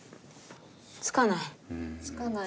つかない？